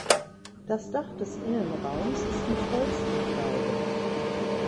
Das Dach des Innenraums ist mit Holz verkleidet.